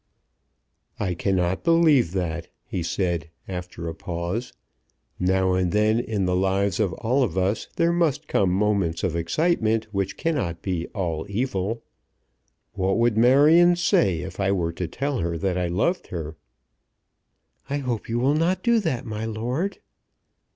"I cannot believe that," he said, after a pause. "Now and then in the lives of all of us there must come moments of excitement which cannot be all evil. What would Marion say if I were to tell her that I loved her?" "I hope you will not do that, my lord."